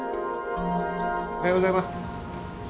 おはようございます。